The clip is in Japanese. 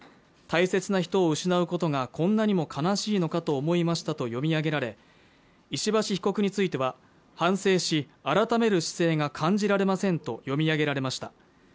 大切な人を失うことがこんなにも悲しいのかと思いましたと読み上げられ石橋被告については反省し改める姿勢が感じられませんと読み上げられました